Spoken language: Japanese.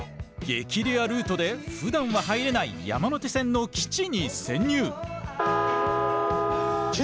激レアルートでふだんは入れない山手線の基地に潜入！